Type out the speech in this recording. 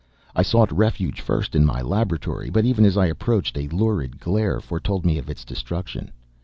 I sought refuge, first, in my laboratory, but, even as I approached, a lurid glare foretold me of its destruction.